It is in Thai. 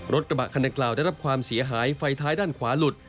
รถกระบะคันดังกล่าวได้รับความเสียหายไฟท้ายด้านขวาหลุด